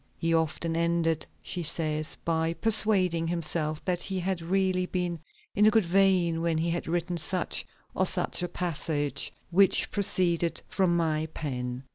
"He often ended," she says, "by persuading himself that he had really been in a good vein when he had written such or such a passage which proceeded from my pen."